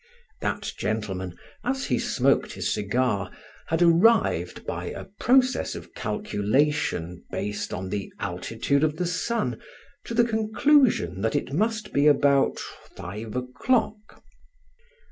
That gentleman, as he smoked his cigar, had arrived, by a process of calculation based on the altitude of the sun, to the conclusion that it must be about five o'clock.